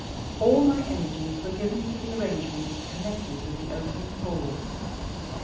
All my energies were given to the arrangements connected with the opening ball.